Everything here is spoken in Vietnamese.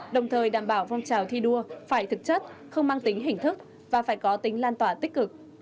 đồng thời đảm bảo phong trào thi đua phải thực chất không mang tính hình thức và phải có tính lan tỏa tích cực